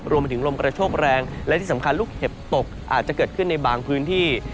รวมไปถึงลมกระโชคแรงและที่สำคัญลูกเห็บตกอาจจะเกิดขึ้นในบางพื้นที่